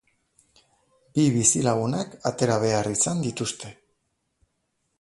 Bi bizilagunak atera behar izan dituzte.